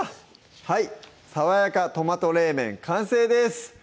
はい「爽やかトマト冷麺」完成です